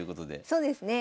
そうですね。